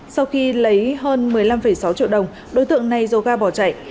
sau khi lấy hơn một mươi năm sáu triệu đồng đối tượng này dồ ga bỏ chạy